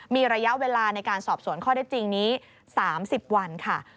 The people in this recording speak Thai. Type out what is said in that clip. มีระยะเวลาในการสอบสวนข้อได้จริงนี้๓๐วันค่ะ